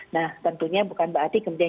nah tentunya bukan berarti kemudian